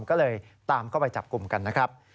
ก็เลยตามเข้าไปจับกลุ่มกันนะครับ